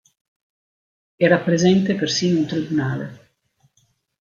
Era presente persino un tribunale.